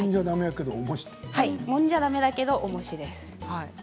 もんじゃだめだけどおもし。